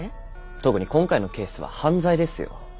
特に今回のケースは犯罪ですよ。